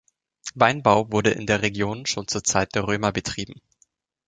Weinbau wurde in der Region schon zur Zeit der Römer betrieben.